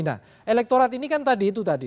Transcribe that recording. nah elektorat ini kan tadi itu tadi